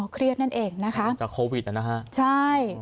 เครียดนั่นเองนะคะจากโควิดนะฮะใช่